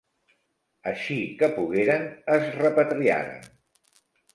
Així que pogueren, es repatriaren.